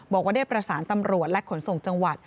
บอกว่าได้ประสานตำรวจและขนส่งจังหวัด